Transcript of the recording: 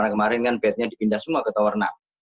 kemarin kan bednya dipindah semua ke tower enam